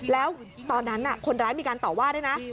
แล้วตอนนั้นคนร้ายมีการต่อว่าด้วยนะ